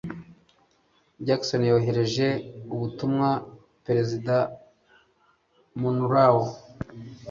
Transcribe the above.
Jackson yoherereje ubutumwa Perezida Monroe.